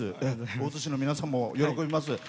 大津市の皆さんも喜びます。